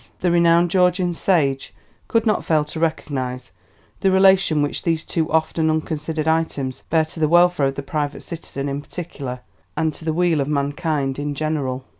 The renowned Georgian sage could not fail to recognise the relation which these too often unconsidered items bear to the welfare of the private citizen in particular and to the weal of mankind in general.